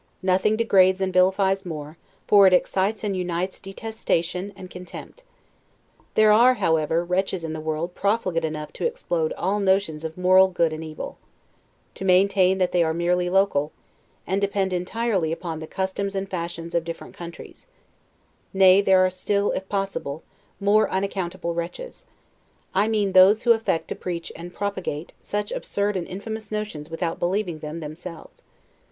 Nothing degrades and vilifies more, for it excites and unites detestation and contempt. There are, however, wretches in the world profligate enough to explode all notions of moral good and evil; to maintain that they are merely local, and depend entirely upon the customs and fashions of different countries; nay, there are still, if possible, more unaccountable wretches; I mean those who affect to preach and propagate such absurd and infamous notions without believing them themselves.